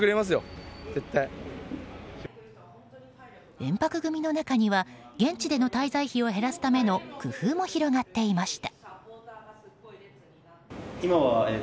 延泊組の中には現地での滞在費を減らすための工夫も広がっていました。